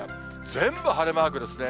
全部晴れマークですね。